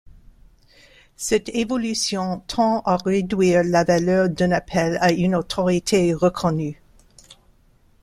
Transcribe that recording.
Cette évolution tend à réduire la valeur d'un appel à une autorité reconnue.